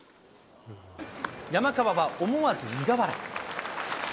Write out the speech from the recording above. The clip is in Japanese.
山川は思わず苦笑い。